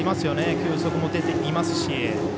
球速も出ていますし。